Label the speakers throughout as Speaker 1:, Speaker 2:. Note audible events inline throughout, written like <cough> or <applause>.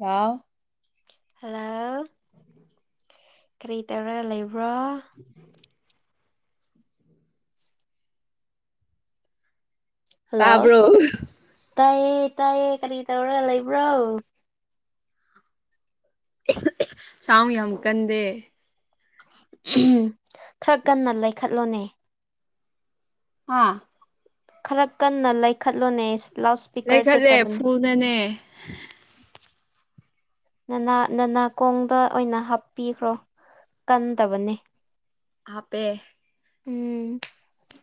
Speaker 1: ꯍꯥꯎ
Speaker 2: hello ꯀꯔꯤ ꯇꯧꯔꯒ ꯂꯩ
Speaker 1: <inaudible>
Speaker 2: ꯍꯜꯂꯣ
Speaker 1: ꯇꯥꯕ꯭ꯔꯣ
Speaker 2: ꯇꯥꯏꯌꯦ ꯇꯥꯏꯌꯦ ꯀꯔꯤ ꯇꯧꯔꯒ ꯂꯩꯕ꯭ꯔꯣ
Speaker 1: ꯁꯥꯎꯟ ꯌꯥꯝ ꯀꯟꯗꯦ
Speaker 2: ꯈꯔ ꯀꯟꯅ ꯂꯩꯈꯠꯂꯣꯅꯦ
Speaker 1: ꯍꯥ
Speaker 2: ꯈꯔ ꯀꯟꯅ ꯂꯩꯈꯠꯂꯣꯅꯦ ꯂꯥꯎꯠ ꯁꯄꯤꯀꯔ
Speaker 1: ꯂꯩꯈꯠꯂꯦ
Speaker 2: ꯆꯠꯇꯕꯅꯦ
Speaker 1: ꯐꯨꯜꯅꯅꯦ
Speaker 2: ꯅꯅꯥ ꯅꯅꯥꯀꯣꯡꯗ ꯑꯣꯏꯅ ꯍꯥꯞꯄꯤꯈ꯭ꯔꯣ ꯀꯟꯗꯕꯅꯦ
Speaker 1: ꯍꯥꯞꯄꯦ
Speaker 2: ꯎꯝ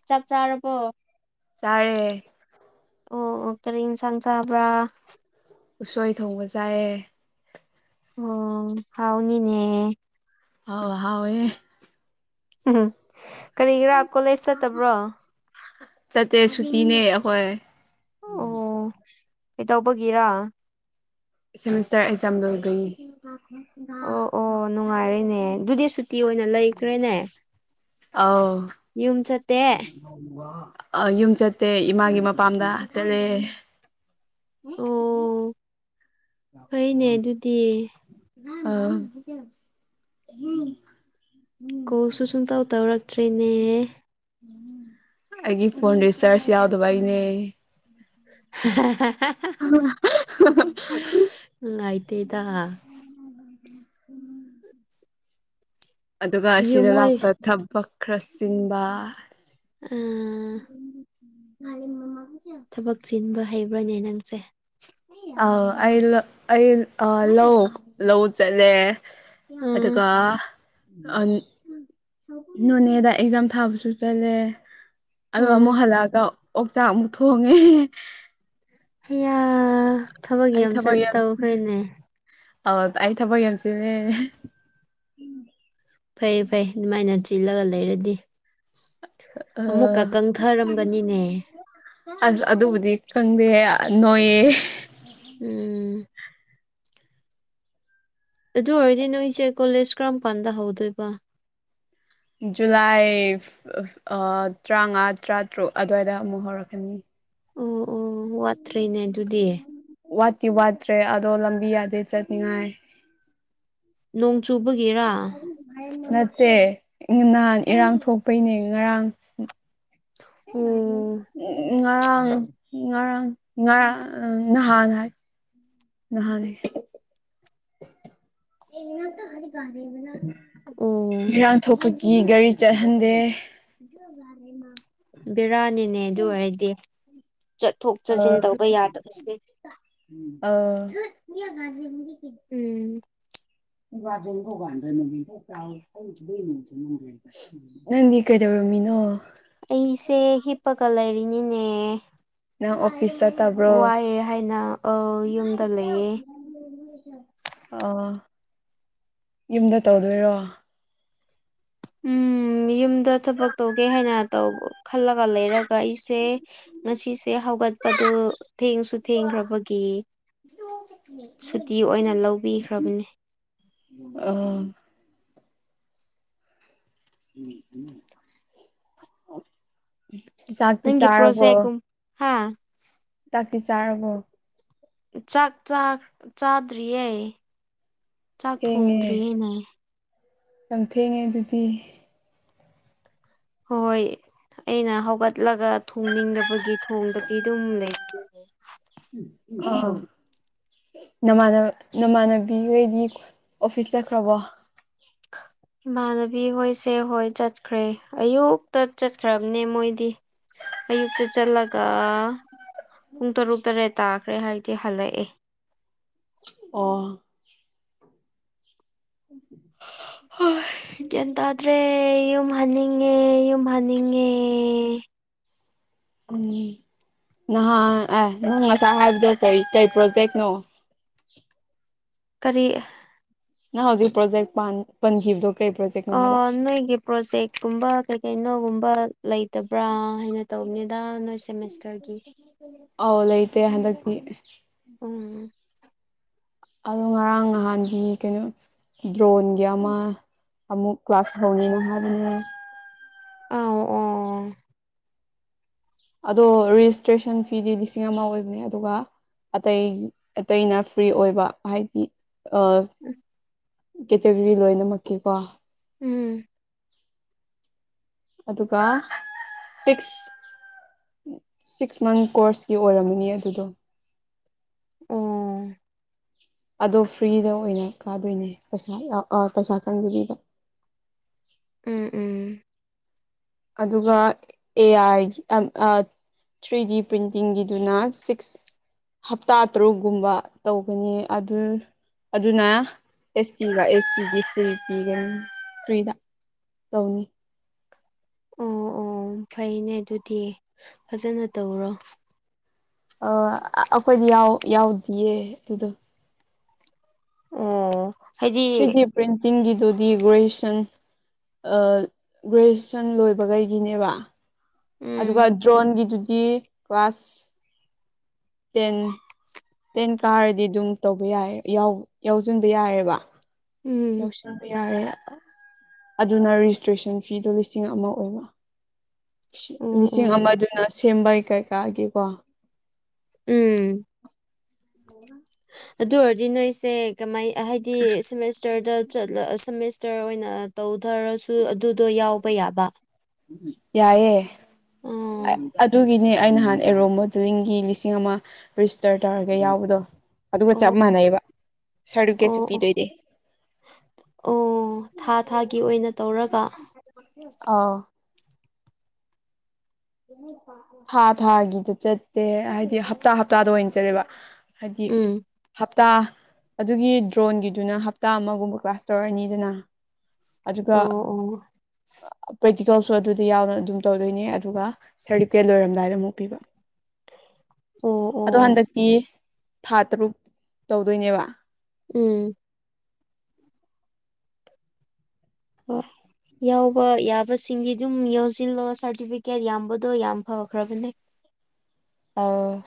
Speaker 2: ꯆꯥꯛ ꯆꯥꯔꯕꯣ
Speaker 1: ꯆꯥꯔꯦ
Speaker 2: ꯑꯣ ꯑꯣ ꯀꯔꯤ ꯏꯟꯁꯥꯡ ꯆꯥꯕ꯭ꯔꯥ
Speaker 1: ꯎꯁꯣꯏ ꯊꯣꯡꯕ ꯆꯥꯏꯌꯦ
Speaker 2: ꯑꯣ ꯍꯥꯎꯅꯤꯅꯦ
Speaker 1: ꯍꯥꯎ ꯍꯥꯎꯋꯦ
Speaker 2: ꯎꯝ ꯀꯔꯤꯒꯤꯔꯥ ꯀꯣꯂꯦꯖ ꯆꯠꯇꯕ꯭ꯔꯣ
Speaker 1: ꯆꯠꯇꯦ ꯁꯨꯇꯤꯅꯦ ꯑꯩꯈꯣꯏ
Speaker 2: ꯇꯧꯕꯒꯤꯔꯥ
Speaker 1: ꯁꯤꯃꯤꯁꯇꯔ ꯑꯦꯛꯖꯥꯝ ꯂꯧꯏꯕꯩ
Speaker 2: ꯑꯣ ꯑꯣ ꯅꯨꯡꯉꯥꯏꯔꯦꯅꯦ ꯑꯗꯨꯗꯤ ꯁꯨꯇꯤ ꯑꯣꯏꯅ ꯂꯩꯈ꯭ꯔꯦꯅꯦ
Speaker 1: ꯑꯥꯎ
Speaker 2: ꯌꯨꯝ ꯆꯠꯇꯦ
Speaker 1: ꯑ ꯌꯨꯝ ꯆꯠꯇꯦ ꯏꯃꯥꯒꯤ ꯃꯄꯥꯝꯗ ꯆꯠꯂꯦ
Speaker 2: ꯑꯣ ꯐꯩꯅꯦ ꯑꯗꯨꯗꯤ
Speaker 1: ꯑꯥ
Speaker 2: ꯀꯣꯜꯁꯨ ꯁꯨꯡꯇꯧ ꯇꯧꯔꯛꯇ꯭ꯔꯦꯅꯦ
Speaker 1: ꯑꯩꯒꯤ ꯐꯣꯟ ꯔꯤꯆꯥꯔꯖ ꯌꯥꯎꯗꯕꯩꯅꯦ
Speaker 2: <unintelligible> ꯅꯨꯡꯉꯥꯏꯇꯦꯗꯥ
Speaker 1: <inaudible> ꯑꯗꯨꯒ
Speaker 2: ꯌꯨꯝ
Speaker 1: ꯑꯁꯤꯗ
Speaker 2: ꯍꯣꯏ
Speaker 1: ꯂꯥꯛꯄ ꯊꯕꯛ ꯈꯔ ꯆꯤꯟꯕ
Speaker 2: ꯑꯥ
Speaker 1: <unintelligible>
Speaker 2: ꯍꯩꯕ꯭ꯔꯥꯅꯦ ꯅꯪꯆꯦ
Speaker 1: ꯑ ꯑꯩ ꯂ ꯑꯩ ꯑꯥ ꯂꯧ ꯂꯧ ꯆꯠꯂꯦ
Speaker 2: ꯑꯥ
Speaker 1: ꯑꯗꯨꯒ ꯅꯣꯅꯦꯗ ꯑꯦꯛꯖꯥꯝ ꯊꯥꯕꯁꯨ ꯆꯠꯂꯦ ꯑ
Speaker 2: ꯑꯥ
Speaker 1: ꯑꯃꯨꯛ ꯍꯜꯂꯛꯑꯒ ꯑꯣꯛꯆꯥꯛ ꯑꯃꯨꯛ ꯊꯣꯡꯉꯦ
Speaker 2: ꯍꯌꯥ ꯊꯕꯛ
Speaker 1: ꯑꯩ
Speaker 2: ꯌꯥꯝ ꯆ ꯇꯧꯈ꯭ꯔꯦꯅꯦ
Speaker 1: ꯑ ꯇꯥꯏ ꯊꯕ ꯌꯦꯦꯝꯁꯤꯅꯦ
Speaker 2: ꯐꯩ ꯐꯩ ꯑꯗꯨꯃꯥꯏꯅ ꯆꯤꯜꯂꯒ ꯂꯩꯔꯗꯤ ꯑꯃꯨꯛꯀ ꯀꯪꯊꯔꯝꯒꯅꯤꯅꯦ
Speaker 1: ꯑꯁ ꯑꯗꯨꯕꯨꯗꯤ ꯈꯪꯗꯦ ꯅꯣꯏꯌꯦ
Speaker 2: ꯎꯝ ꯑꯗꯨ ꯑꯣꯏꯔꯗꯤ ꯅꯣꯏꯁꯦ ꯀꯣꯂꯦꯖ ꯀꯔꯝ ꯀꯥꯟꯗ ꯍꯧꯗꯣꯏꯕ
Speaker 1: ꯖꯨꯂꯥꯏ ꯇꯔꯥꯃꯉꯥ ꯇꯔꯥꯇꯔꯨꯛ ꯑꯗꯨꯋꯥꯏꯗ ꯑꯃꯨꯛ ꯍꯧꯔꯛꯀꯅꯤ
Speaker 2: ꯑꯣ ꯑꯣ ꯋꯥꯠꯇ꯭ꯔꯦꯅꯦ ꯑꯗꯨꯗꯤ
Speaker 1: ꯛꯇꯤ ꯋꯥꯠꯇ꯭ꯔꯦ ꯑꯗꯣ ꯂꯝꯕꯤ ꯌꯥꯗꯦ ꯆꯠꯅꯤꯡꯉꯥꯏ
Speaker 2: ꯅꯣꯡ ꯆꯨꯕꯒꯤꯔꯥ
Speaker 1: ꯅꯠꯇ ꯅꯍꯥꯟ ꯏꯔꯥꯡ ꯊꯣꯛꯄꯩꯅꯦ ꯉꯔꯥꯡ
Speaker 2: ꯑꯣ
Speaker 1: ꯉꯔꯥꯡ ꯉꯔꯥꯡ ꯉꯔꯥꯡ ꯅꯍꯥꯟ ꯍꯥꯏ ꯅꯍꯥꯟ
Speaker 2: ꯑꯣ
Speaker 1: ꯏꯔꯥꯡ ꯊꯣꯛꯄꯒꯤ ꯒꯥꯔꯤ ꯆꯠꯍꯟꯗꯦ
Speaker 2: ꯕꯦꯔꯥꯅꯤꯅꯦ ꯑꯗꯨ ꯑꯣꯏꯔꯗꯤ ꯆꯠꯊꯣꯛ ꯆꯠꯁꯤꯟ ꯇꯧꯕ ꯌꯥꯗꯕꯁꯦ
Speaker 1: ꯑꯥ ꯑꯥ
Speaker 2: ꯎꯝ
Speaker 1: ꯅꯪꯗꯤ ꯀꯩꯗꯧꯔꯝꯃꯤꯅꯣ
Speaker 2: ꯅꯤꯅꯦ
Speaker 1: ꯅꯪ ꯑꯣꯐꯤꯁ ꯆꯠꯇꯕ꯭ꯔꯣ
Speaker 2: ꯋꯥꯏꯑꯦ ꯍꯥꯏꯅ ꯑ ꯌꯨꯝꯗ ꯂꯩꯌꯦ
Speaker 1: ꯑꯣ ꯌꯨꯝꯗ ꯇꯧꯗꯣꯏꯔꯣ
Speaker 2: ꯎꯝ ꯌꯨꯝꯗ ꯊꯕꯛ ꯇꯧꯒꯦ ꯍꯥꯏꯅ ꯇ ꯈꯜꯂꯒ ꯂꯩꯔꯒ ꯑꯩꯁꯦ ꯉꯁꯤ ꯁꯦ ꯍꯧꯒꯠꯄꯗꯨꯣ ꯊꯦꯡꯁꯨ ꯊꯦꯡꯈ꯭ꯔꯕꯒꯤ ꯁꯨꯇꯤ ꯑꯣꯏꯅ ꯂꯧꯕꯤꯈ꯭ꯔꯕꯅꯤ
Speaker 1: ꯑ ꯎꯝ ꯎꯝ ꯆꯥꯛ ꯄꯤꯁꯥꯔꯔꯕꯣ
Speaker 2: ꯍꯥꯥ
Speaker 1: ꯇꯥꯛꯄꯤ ꯆꯥꯔꯔꯕꯣ
Speaker 2: ꯆꯥꯛ ꯆꯥꯗ꯭ꯔꯤꯌꯦ ꯆꯥꯛ
Speaker 1: ꯊꯦꯡꯉꯦ
Speaker 2: ꯊꯣꯡꯗ꯭ꯔꯤꯌꯦꯅꯦ
Speaker 1: ꯌꯥꯝ ꯊꯦꯡꯉꯦ ꯑꯗꯨꯗꯤ
Speaker 2: ꯍꯣꯏꯣꯏ ꯑꯩꯅ ꯍꯧꯒꯠꯂꯒ ꯊꯣꯡꯅꯤꯡꯗꯕꯒꯤ ꯊꯣꯡꯗꯗꯤ ꯑꯗꯨꯝ ꯂꯩꯦ
Speaker 1: ꯑ ꯅꯃꯥꯟ ꯅꯃꯥꯟꯅꯕꯤ ꯍꯣꯏꯗꯤ ꯑꯣꯐꯤꯁ ꯆꯠꯈ꯭ꯔꯕꯣ
Speaker 2: <unintelligible> ꯏꯃꯥꯟꯅꯕꯤ ꯍꯣꯏꯁꯦ ꯍꯣꯏ ꯆꯠꯈ꯭ꯔꯦ ꯑꯌꯨꯛꯇ ꯆꯠꯈ꯭ꯔꯕꯅꯦ ꯃꯣꯏꯗꯤ ꯑꯌꯨꯛꯇ ꯆꯠꯂꯒ ꯄꯨꯡ ꯇꯔꯨꯛ ꯇꯔꯦꯠ ꯇꯥꯈ꯭ꯔꯦ ꯍꯥꯏꯗꯤ ꯍꯜꯂꯛꯑꯦ
Speaker 1: ꯑꯣ
Speaker 2: ꯍꯣꯏ ꯒ꯭ꯌꯥꯟ ꯇꯥꯗ꯭ꯔꯦ ꯌꯨꯝ ꯍꯟꯅꯤꯡꯉꯦ ꯌꯨꯝ ꯍꯟꯅꯤꯡꯉꯦ
Speaker 1: ꯎꯝ ꯅꯍꯥꯟ ꯑꯦ ꯅꯪ ꯉꯁꯥꯏ ꯍꯥꯏꯕꯗꯣ ꯀꯔꯤ ꯀꯩ ꯄ꯭ꯔꯣꯇꯦꯛꯅꯣ
Speaker 2: ꯀꯔꯤ
Speaker 1: ꯅ ꯍꯧꯖꯤ꯭ꯔꯣꯖꯦꯛ ꯄꯥꯟ ꯄꯟꯖꯈꯤꯕꯕꯗꯣ
Speaker 2: ꯅꯣꯏꯒꯤ ꯄ꯭ꯔꯣꯖꯦꯛꯀꯨꯝꯕ ꯀꯩ ꯀꯩꯅꯣꯒꯨꯝꯕ ꯂꯩꯇꯕ꯭ꯔꯥ ꯍꯥꯏꯅ ꯇꯧꯅꯤꯗ ꯅꯣꯏꯠ ꯁꯦꯃꯤꯁꯇꯔꯒꯤ
Speaker 1: ꯑꯧ ꯂꯩꯇꯦ <unintelligible>
Speaker 2: ꯎꯝ
Speaker 1: ꯑꯗꯣ ꯉꯔꯥꯡ ꯅꯍꯥꯟꯗꯤ ꯀꯩꯅꯣ ꯗ꯭ꯔꯣꯟꯒꯤ ꯑꯃ ꯑꯃꯨꯛ ꯀ꯭ꯂꯥꯁ ꯍꯅꯤꯅꯍꯔꯦ
Speaker 2: ꯑꯥꯎ ꯑꯣ
Speaker 1: ꯑꯗꯣ ꯔꯦꯖꯤꯁꯇ꯭ꯔꯦꯁꯟ ꯐꯤꯗꯤ ꯂꯤꯁꯤꯡ ꯑꯃ ꯑꯣꯏꯕꯅꯦ ꯑꯗꯨꯒ ꯑꯇꯩ ꯑꯇꯩꯅ ꯐ꯭ꯔꯤ ꯑꯣꯏꯕ ꯍꯥꯏꯗꯤ ꯀꯦꯇꯒꯣꯔꯤ ꯂꯣꯏꯅꯃꯛꯀꯤꯀꯣ
Speaker 2: ꯎꯝ
Speaker 1: ꯑꯗꯨꯒ ꯐꯤꯛꯁ ꯁꯤꯛꯁ ꯃꯟ ꯀꯣꯔꯁꯀꯤ ꯑꯣꯏꯔꯝꯃꯅꯤ ꯑꯗꯨꯗꯣ
Speaker 2: ꯎꯝ
Speaker 1: ꯑꯗꯣ ꯐ꯭ꯔꯤꯗ ꯑꯣꯏꯅ ꯀꯥꯗꯣꯏꯅꯦ ꯄꯩꯁꯥꯥ ꯄꯩꯁꯥ ꯆꯪꯗꯕꯤꯗ
Speaker 2: <inaudible> <inaudible>
Speaker 1: ꯑꯗꯨꯒ A I three D ꯄ꯭ꯔꯤꯟꯇꯤꯡꯒꯤꯗꯨꯅ six ꯍꯞꯇꯥ ꯇꯔꯨꯛꯀꯨꯝꯕ ꯇꯧꯒꯅꯤ ꯑꯗꯨ ꯑꯗꯨꯅ ꯑꯦꯁ ꯇꯤꯒ ꯑꯦꯁ ꯇꯤꯒꯤ ꯊ꯭ꯔꯤ ꯄꯤ ꯐ꯭ꯔꯤꯗ ꯇꯧꯅꯤ
Speaker 2: ꯑꯣ ꯑꯣ ꯐꯩꯅꯦ ꯑꯗꯨꯗꯤ ꯐꯖꯅ ꯇꯧꯔꯣ
Speaker 1: ꯑ ꯑꯩꯈꯣꯏꯗꯤ ꯌꯥꯎꯗꯌꯦ ꯑꯗꯨꯗꯣ
Speaker 2: ꯑꯣ
Speaker 1: ꯊ꯭ꯔꯤ
Speaker 2: ꯍꯥꯏꯗꯤ
Speaker 1: ꯗꯤ ꯄ꯭ꯔꯤꯟꯇꯤꯡꯒꯤꯗꯨ ꯗꯤ ꯒ꯭ꯔꯦꯖꯨꯑꯦꯁꯟ ꯒ꯭ꯔꯦꯖꯨꯑꯦꯁꯟ ꯂꯣꯏꯕꯈꯩꯒꯤꯅꯦꯕ ꯑꯗꯨꯒ
Speaker 2: ꯎꯝ
Speaker 1: ꯗ꯭ꯔꯣꯟꯒꯤꯗꯨꯗꯤ ꯀ꯭ꯂꯥꯁ ꯇꯦꯟ ꯇꯦꯟ ꯀꯥꯔꯗꯤ ꯑꯗꯨꯝ ꯇꯧꯕ ꯌꯥꯏ ꯌꯥꯎꯁꯤꯟꯕ ꯌꯥꯏꯔꯦꯕ
Speaker 2: ꯎꯝ
Speaker 1: ꯌꯣꯁꯟꯕꯤ ꯌꯥꯔꯦ ꯑꯗꯨꯅ ꯔꯦꯖꯤꯁꯇ꯭ꯔꯦꯁꯟ ꯐꯤꯗꯣ ꯂꯤꯁꯤꯡ ꯑꯃ ꯑꯣꯏꯕ
Speaker 2: ꯎꯝ
Speaker 1: ꯂꯤꯁꯤꯡ
Speaker 2: ꯎꯝ
Speaker 1: ꯑꯃꯗꯨꯅ ꯁꯦꯝꯕꯩ ꯀꯩꯀꯥꯒꯤꯀꯣ
Speaker 2: ꯎꯝ
Speaker 1: ꯑꯣ
Speaker 2: ꯑꯗꯨ ꯑꯣꯏꯔꯗꯤ ꯅꯣꯏꯁꯦ ꯀꯃꯥꯏ ꯍꯥꯏꯗꯤ ꯁꯦꯃꯦꯁꯇꯔꯗ ꯆꯠꯂ ꯁꯃꯦꯁꯇꯔ ꯑꯣꯏꯅ ꯇꯧꯊꯔꯁꯨ ꯑꯗꯨꯗꯣ ꯌꯥꯎꯕ ꯌꯥꯕ
Speaker 1: ꯌꯥꯏꯑꯦ
Speaker 2: ꯑꯣ
Speaker 1: ꯑꯗꯨꯒꯤꯅꯤ ꯑꯩ ꯅꯍꯥꯟ ꯑꯦꯔꯣ ꯃꯣꯗꯂꯤꯡꯒꯤ ꯂꯤꯁꯤꯡ ꯑꯃ ꯔꯦꯖꯤꯁꯇꯔ ꯇꯧꯔꯒ ꯌꯥꯎꯕꯗꯣ ꯑꯗꯨꯒ ꯆꯞ
Speaker 2: ꯑꯣ ꯑꯣ
Speaker 1: ꯃꯥꯟꯅꯩꯑꯕ ꯁꯥꯔꯇꯤꯐꯤꯀꯦꯠꯁꯨ
Speaker 2: ꯑꯣ ꯑꯣ
Speaker 1: ꯄꯤꯗꯣꯏꯅꯦ
Speaker 2: ꯑꯣ ꯊꯥ ꯊꯥꯒꯤ ꯑꯣꯏꯅ ꯇꯧꯔꯒ
Speaker 1: ꯑ ꯊꯥ ꯊꯥꯒꯤꯗ ꯆꯠꯇꯦ ꯍꯥꯏꯗꯤ ꯍꯞꯇꯥ ꯍꯞꯇꯥꯗ ꯑꯣꯏꯅ ꯆꯠꯂꯦꯕ ꯍꯥꯏꯗꯤ ꯍꯥꯞ
Speaker 2: ꯎꯝ
Speaker 1: ꯍꯞꯇꯥ ꯑꯗꯨꯒꯤ ꯗ꯭ꯔꯣꯟꯒꯤꯗꯨꯅ ꯍꯞꯇꯥ ꯑꯃꯒꯨꯝꯕ ꯀ꯭ꯂꯥꯁ ꯇꯧꯔꯛꯑꯅꯤꯗꯅ ꯑꯗꯨꯒ
Speaker 2: ꯑꯣ ꯑꯣ
Speaker 1: ꯄ꯭ꯔꯦꯛꯇꯤꯀꯦꯜꯁꯨ ꯑꯗꯨꯗꯤ ꯌꯥꯎꯅ ꯑꯗꯨꯝ ꯇꯧꯗꯣꯏꯅꯦ ꯑꯗꯨꯒ ꯁꯥꯔꯇꯤꯐꯤꯀꯦꯠ ꯂꯣꯏꯔꯝꯗꯥꯏꯗ ꯑꯃꯨꯛ ꯄꯤꯕ
Speaker 2: ꯑꯣ
Speaker 1: ꯑꯗꯣ
Speaker 2: ꯑꯣ
Speaker 1: ꯍꯟꯗꯛꯇꯤ ꯊꯥ ꯇꯔꯨꯛ ꯇꯧꯗꯣꯏꯅꯦꯕ
Speaker 2: ꯎꯝ ꯑꯣ ꯌꯥꯎꯕ ꯌꯥꯕꯁꯤꯡꯗꯤ ꯑꯗꯨꯝ ꯌꯥꯎꯁꯤꯜꯂꯣ ꯁꯥꯔꯇꯤꯐꯤꯀꯦꯠ ꯌꯥꯝꯕꯗꯣ ꯌꯥꯝ ꯐꯈ꯭ꯔꯕꯅꯦ
Speaker 1: ꯑ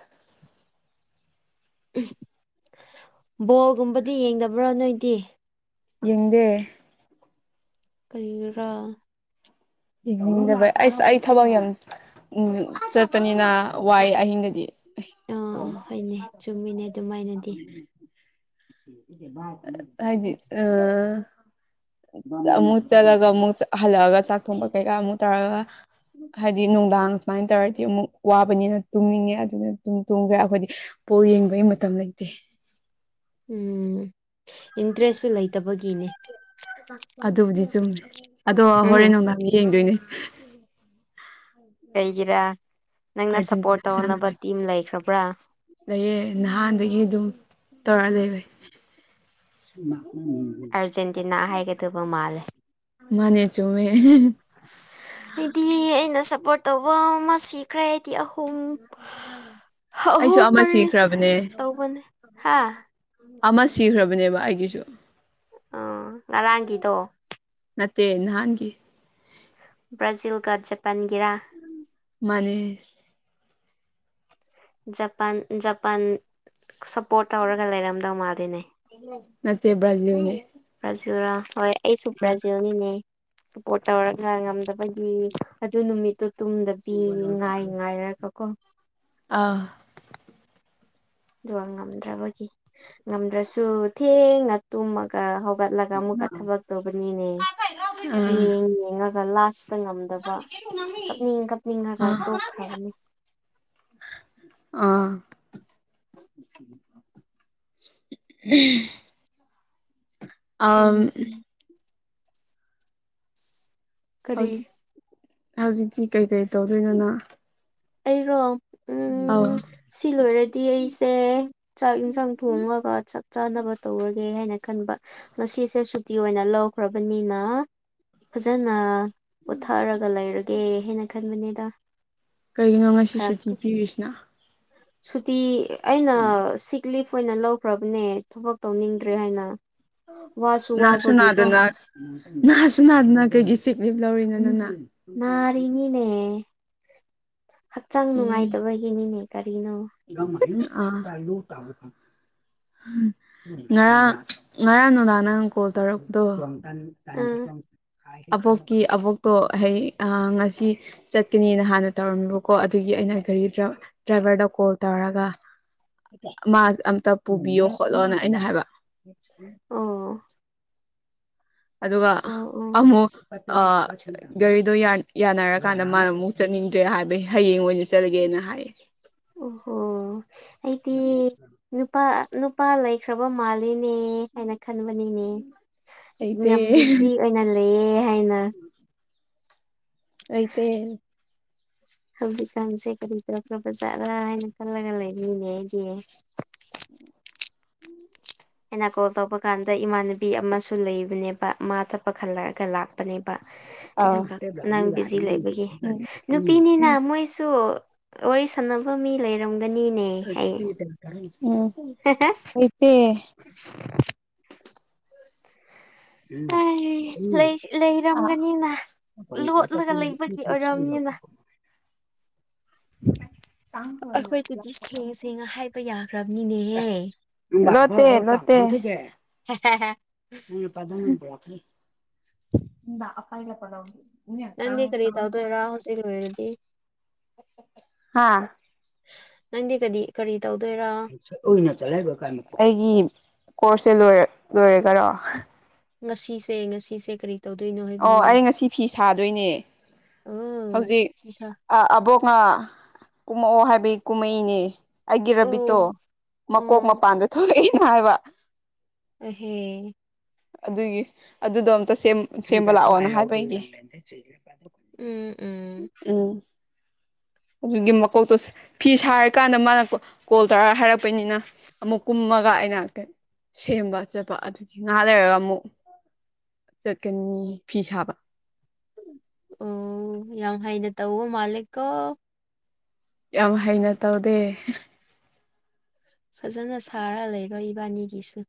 Speaker 2: ꯕꯣꯜꯒꯨꯝꯕꯗꯤ ꯌꯦꯡꯗꯕ꯭ꯔꯥ ꯅꯣꯏꯗꯤ
Speaker 1: ꯌꯦꯡꯗꯦ
Speaker 2: ꯀꯔꯥ
Speaker 1: ꯌꯦꯡꯖꯕꯩ ꯑꯩꯁ ꯑꯩ ꯊꯕꯛ ꯌꯥꯝ ꯎ ꯆꯠꯄꯅꯤꯅ ꯋꯥꯏ ꯑꯍꯤꯡꯗꯗꯤ
Speaker 2: ꯑꯥ ꯑꯥ ꯍꯣꯏꯅꯦ ꯆꯨꯝꯃꯤꯅꯦ ꯑꯗꯨꯃꯥꯏꯅꯗꯤ
Speaker 1: ꯍꯥꯏꯗꯤ ꯑ ꯑꯃꯨꯛ ꯆꯠꯂꯒ ꯑꯃꯨꯛ ꯍꯜꯂꯛꯑꯒ ꯆꯥꯛ ꯊꯣꯡꯕ ꯀꯩꯀꯥ ꯑꯃꯨꯛ ꯇꯥꯔꯒ ꯍꯥꯏꯗꯤ ꯅꯨꯡꯗꯥꯡ ꯁꯨꯃꯥꯏꯅ ꯇꯧꯔꯗꯤ ꯑꯃꯨꯛ ꯋꯥꯕꯅꯤꯅ ꯇꯨꯡꯅꯤꯡꯉꯦ ꯑꯗꯨꯅ ꯑꯗꯨꯝ ꯇꯨꯡꯈ꯭ꯔꯦ ꯑꯩꯈꯣꯏꯗꯤ ꯑꯣ ꯌꯦꯡꯕꯒꯤ ꯃꯇꯝ ꯂꯩꯇꯦ
Speaker 2: ꯎꯝ ꯏꯟꯇ꯭ꯔꯦꯁꯁꯨ ꯂꯩꯇꯕꯒꯤꯅꯦ
Speaker 1: ꯑꯗꯨꯕꯨꯗꯤ ꯆꯨꯝꯃꯦ ꯑꯗꯣ
Speaker 2: ꯎꯝ
Speaker 1: ꯍꯣꯔꯦꯟ ꯅꯨꯡꯗꯥꯡ ꯌꯦꯡꯗꯣꯏꯅꯦ
Speaker 2: ꯀꯩꯒꯔꯥ꯫
Speaker 1: ꯑꯔꯖꯦꯟꯇꯤꯅꯥ ꯁꯥꯟꯅꯕ ꯑꯌꯦ ꯅꯍꯥꯟꯗꯒꯤ ꯑꯗꯨꯝ꯫ ꯇꯔꯗꯕ
Speaker 2: ꯑꯥꯔꯖꯦꯟꯇꯤꯅꯥ ꯍꯥꯏꯒꯗꯕ ꯃꯥꯜꯂꯦ
Speaker 1: ꯃꯥꯅꯦ ꯆꯨꯝꯃꯦ
Speaker 2: ꯑꯩꯗꯤ ꯑꯩꯅ ꯁꯞꯄꯣꯔꯠ ꯇꯧꯕ ꯑꯃ ꯁꯤꯈ꯭ꯔꯦ ꯀ ꯑꯍꯨꯝ
Speaker 1: ꯑꯩꯁꯨ
Speaker 2: ꯑꯍꯨꯝ
Speaker 1: ꯑꯃ
Speaker 2: ꯃꯔꯤꯁ
Speaker 1: ꯁꯤꯈ꯭ꯔꯕꯅꯦ
Speaker 2: ꯇꯧꯕꯅꯦ ꯍꯥ
Speaker 1: ꯑꯃ ꯁꯤꯈ꯭ꯔꯕꯅꯦꯕ ꯑꯩꯒꯤꯁꯨ
Speaker 2: ꯑꯣ ꯉꯔꯥꯡꯒꯤꯗꯣ
Speaker 1: ꯇ ꯅꯍꯥꯟꯒꯤ
Speaker 2: ꯕ꯭ꯔꯥꯖꯤꯜꯒ ꯖꯄꯥꯟꯒꯤꯔꯥ
Speaker 1: ꯃꯥꯅꯤ
Speaker 2: ꯖꯄꯥꯟ ꯖꯄꯥꯟ ꯁꯞꯄꯣꯔꯠ ꯇꯧꯔꯒ ꯂꯩꯔꯝꯗꯧ ꯃꯥꯜꯂꯤꯅꯦ
Speaker 1: ꯃꯠꯇꯦꯕꯅꯦ
Speaker 2: ꯕ꯭ꯔꯥꯖꯤꯥ ꯍꯣꯏ ꯑꯩꯁꯨ ꯕ꯭ꯔꯥꯖꯤꯌꯒꯤꯅꯦ ꯁꯄꯣꯔꯠ ꯇꯧꯔꯒ ꯉꯝꯗꯕꯒꯤ ꯑꯗꯨ ꯅꯨꯃꯤꯠꯇꯨ ꯇꯨꯡꯗꯕꯤ ꯉꯥꯏ ꯉꯥꯏꯔꯒ ꯀꯣ
Speaker 1: ꯑꯥ
Speaker 2: ꯑꯗꯨꯒ ꯉꯝꯗ꯭ꯔꯕꯒꯤ ꯉꯝꯗ꯭ꯔꯁꯨ ꯊꯦꯡꯅ ꯇꯨꯝꯃꯒ ꯠꯂꯒ ꯑꯃꯨꯛꯀ ꯊꯕꯛ ꯇꯧꯕꯅꯤꯅꯦ
Speaker 1: ꯑꯥ
Speaker 2: ꯌꯦꯡ ꯌꯦꯡꯉꯒ ꯂꯥꯁ ꯄ ꯉꯝꯗꯕ ꯀꯞꯅꯤꯡ ꯀꯞꯅꯤꯡꯉꯒ ꯇꯣꯛꯈ꯭ꯔꯕꯅꯤ
Speaker 1: ꯑꯥ <unintelligible> ꯑꯝ
Speaker 2: ꯈꯪꯗ꯭ꯔꯤ ꯀꯔꯤ
Speaker 1: ꯍꯧꯖꯤꯛ ꯍꯧꯖꯤꯛꯇꯤ ꯀꯩꯀꯩ ꯇꯧꯗꯣꯏꯅꯣꯅꯪ
Speaker 2: ꯑꯩꯔꯣ
Speaker 1: <unintelligible>
Speaker 2: ꯎꯝ ꯁꯤ ꯂꯣꯏꯔꯗꯤ ꯑꯩꯁꯦ ꯆꯥꯛ ꯌꯦꯟꯁꯥꯡ ꯊꯣꯡꯉꯒ ꯆꯥꯛ ꯆꯥꯅꯕ ꯇꯧꯔꯒꯦ ꯍꯥꯏꯅꯁ ꯈꯟꯕꯣ ꯉꯁꯤꯁꯦ ꯁꯨꯇꯤ ꯑꯣꯏꯅ ꯂꯧꯈ꯭ꯔꯕꯅꯤꯅ ꯐꯖꯅ ꯄꯣꯊꯥꯔꯒ ꯂꯩꯔꯒꯦ ꯍꯥꯏꯅ ꯈꯟꯕꯅꯦꯗ
Speaker 1: ꯀꯩꯒꯤꯅꯣ ꯉꯁꯤ ꯁꯨꯇꯤ ꯄꯤꯔꯤꯁꯤꯅ
Speaker 2: ꯁꯨꯇꯤ ꯑꯩꯅ ꯁꯤꯛ ꯂꯤꯐ ꯑꯣꯏꯅ ꯂꯧꯈ꯭ꯔꯕꯅꯦ ꯊꯕꯛ ꯇꯧꯅꯤꯡꯗ꯭ꯔꯦ ꯍꯥꯏꯅ ꯋꯥꯁꯨ
Speaker 1: ꯅꯥꯁꯨ
Speaker 2: ꯋꯥꯕꯒꯤꯀꯣ
Speaker 1: ꯅꯥꯗꯅ ꯅꯥꯥꯁꯨ ꯅꯥꯗꯅ ꯀꯩꯒꯤ ꯆꯤꯛꯂꯤꯞ ꯂꯧꯔꯤꯅ ꯅꯅ
Speaker 2: ꯅꯥꯔꯤꯅꯤꯅꯦ ꯍꯛꯆꯥꯡ
Speaker 1: ꯑꯦ
Speaker 2: ꯅꯨꯡꯉꯥꯏꯇꯕꯒꯤꯅꯤꯅꯦ ꯀꯔꯤꯅꯣ
Speaker 1: <unintelligible> ꯉꯔꯥꯡ ꯉꯔꯥꯡ ꯅꯨꯡꯗꯥꯡ ꯅꯪꯅ ꯀꯣꯜ ꯇꯧꯔꯛꯄꯗꯣ ꯇ ꯇꯖ
Speaker 2: ꯑꯥ
Speaker 1: ꯐꯁ ꯑꯕꯣꯛꯀꯤ ꯑꯕꯣꯛꯇꯣ ꯑꯩ ꯑ ꯉꯁꯤ ꯆꯠꯀꯅꯤꯅ ꯍꯥꯟꯅ ꯇꯧꯔꯝꯃꯤꯕꯀꯣ ꯑꯗꯨꯒꯤ ꯑꯩꯅ ꯀꯔꯤ ꯗ꯭ꯔꯥꯏꯚꯔꯗꯣ ꯀꯣꯜ ꯇꯧꯔꯒ ꯃꯥ ꯑꯝꯇ ꯄꯨꯕꯤꯌꯣ ꯈꯣꯠꯂꯣꯅ ꯑꯩꯅ ꯍꯥꯏꯕ ꯎꯝ
Speaker 2: ꯑꯣ
Speaker 1: ꯑꯗꯨꯒ
Speaker 2: ꯑꯣ ꯑꯣ
Speaker 1: ꯑꯃꯨ ꯑ ꯒꯥꯔꯤꯗꯣ ꯌꯥꯅꯔꯀꯥꯟꯗ ꯃꯥꯅ ꯑꯃꯨꯛ ꯆꯠꯅꯤꯡꯗ꯭ꯔꯦ ꯍꯥꯏꯕꯒꯤ ꯍꯌꯦꯡ ꯑꯣꯏꯅ ꯆꯠꯂꯒꯦꯅ ꯍꯥꯏꯌꯦ
Speaker 2: ꯑꯣꯍꯣ ꯑꯩꯗꯤ ꯅꯨꯄꯥ ꯅꯨꯄꯥ ꯂꯩꯈ꯭ꯔꯕ ꯃꯥꯜꯂꯤꯅꯤ ꯅꯦ ꯍꯥꯏꯅ ꯈꯟꯕꯅꯤꯅꯦ ꯌꯥꯝ ꯕꯤꯖꯤ ꯑꯣꯏꯅ ꯂꯩ
Speaker 1: ꯎꯝ ꯑꯩꯇ
Speaker 2: ꯍꯧꯖꯤꯛꯀꯥꯟꯁꯦ ꯀꯔꯤ ꯀꯧꯔꯛꯈ꯭ꯔꯕꯖꯥꯠꯔꯥ ꯍꯥꯏꯅ ꯈꯜꯂꯒ ꯂꯩꯔꯤꯅꯦ ꯑꯩꯒꯤ <inaudible> ꯑꯩꯅ ꯀꯣꯜ ꯇꯧꯕ ꯀꯥꯟꯗ ꯏꯃꯥꯟꯅꯕꯤ ꯑꯃꯁꯨ ꯂꯩꯕꯅꯦꯕ ꯃꯥ ꯊꯛꯄ ꯈꯜꯂꯛꯑꯒ ꯂꯥꯛꯄꯅꯦꯕ
Speaker 1: ꯑꯥ
Speaker 2: ꯑꯗꯨꯒ ꯅꯪ ꯕꯤꯖꯤ
Speaker 1: ꯎꯝ
Speaker 2: ꯂꯩꯕꯒꯤ ꯅꯨꯄꯤꯅꯤꯅ ꯃꯣꯏꯁꯨ ꯋꯥꯔꯤ ꯁꯥꯟꯅꯕ ꯃꯤ ꯂꯩꯔꯝꯒꯅꯤꯅꯦ ꯍꯥꯏꯌꯦ
Speaker 1: ꯎꯝ ꯑꯣꯏꯇ
Speaker 2: ꯂꯩꯔꯝꯒꯅꯤꯅ ꯂꯣꯠꯂꯒ ꯂꯩꯕꯒꯤ ꯑꯣꯏꯔꯝꯅꯤꯅ
Speaker 1: ꯎ
Speaker 2: ꯑꯩꯈꯣꯏꯗꯗꯤ ꯁꯦꯡꯉ ꯁꯦꯡꯉ ꯍꯥꯏꯕ ꯌꯥꯈ꯭ꯔꯕꯅꯤꯅꯦꯍꯦ
Speaker 1: ꯅꯠꯇꯦ ꯅꯠꯇꯦ ꯑ ꯄꯥꯏ ꯄꯂꯗ
Speaker 2: ꯅꯪꯗꯤ ꯀꯔꯤ ꯇꯧꯗꯣꯏꯔꯥ ꯍꯧꯖꯤꯛ ꯂꯣꯏꯔꯗꯤ
Speaker 1: ꯍꯥꯥ
Speaker 2: ꯅꯪꯗꯤ ꯀꯗꯤ ꯀꯔꯤ ꯇꯧꯗꯣꯏꯔꯥ
Speaker 1: ꯑꯩꯒꯤ ꯀꯣꯔꯁꯁꯦ ꯂꯣꯏꯔꯦꯒꯔꯣ
Speaker 2: ꯉꯁꯤꯁꯦ ꯉꯁꯤꯁꯦ ꯀꯔꯤ ꯇꯧꯗꯣꯏꯅꯣ
Speaker 1: ꯑꯣ
Speaker 2: ꯍꯥꯏꯕꯅꯤꯅꯦ
Speaker 1: ꯑꯩ ꯉꯁꯤ ꯐꯤ ꯁꯥꯗꯣꯏꯅꯦ
Speaker 2: ꯑꯣ
Speaker 1: ꯍꯧꯖꯤꯛ
Speaker 2: ꯐꯤꯁꯥ
Speaker 1: ꯑꯕꯣꯛꯉ ꯀꯨꯝꯃꯛꯑꯣ ꯍꯥꯏꯕꯒꯤ ꯀꯨꯝꯍꯩꯅꯤ ꯑꯩꯒꯤ ꯔꯕꯤꯠꯇꯣ
Speaker 2: ꯑꯣ
Speaker 1: ꯃꯀꯣꯛ
Speaker 2: ꯑꯣ
Speaker 1: ꯃꯄꯥꯟꯗ ꯊꯣꯛꯂꯛꯑꯅ ꯍꯥꯏꯕ
Speaker 2: ꯑꯍ
Speaker 1: ꯑꯗꯨꯒꯤ ꯑꯗꯨꯗꯣ ꯑꯝꯇ ꯁꯦꯝꯕ ꯂꯥꯛꯑꯣꯅꯦ ꯍꯥꯏꯕ
Speaker 2: ꯎꯝ ꯎꯝ
Speaker 1: ꯎꯝ ꯑꯗꯨꯒꯤ ꯃꯀꯣꯛꯇꯣ ꯐꯤ ꯁꯥꯔꯀꯥꯟꯗ ꯃꯥꯅ ꯀꯣꯜ ꯇꯧꯔꯒ ꯍꯥꯏꯔꯛꯄꯩꯅꯤꯅ ꯑꯃꯨꯛ ꯀꯨꯝ ꯑꯃꯒ ꯑꯩꯅ ꯁꯦꯝꯕ ꯆꯠꯄ ꯑꯗꯨꯒꯤ ꯉꯥ ꯂꯩꯔꯒ ꯑꯃꯨꯛ ꯆꯠꯀꯅꯤ ꯐꯤ ꯁꯥꯕ
Speaker 2: ꯑꯣ ꯌꯥꯝ ꯍꯩꯗ ꯇ ꯎ ꯃꯥꯂꯛꯣ
Speaker 1: ꯌꯥꯝ ꯍꯩꯅ ꯇꯧꯗꯦ
Speaker 2: ꯐꯖꯅ ꯁꯥꯔ ꯂꯩꯔꯣꯏ ꯏꯕꯥꯅꯤꯒꯤꯁꯨ